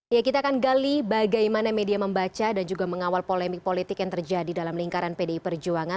ya kita akan gali bagaimana media membaca dan juga mengawal polemik politik yang terjadi dalam lingkaran pdi perjuangan